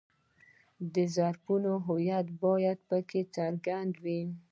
د طرفینو هویت باید په کې څرګند وي.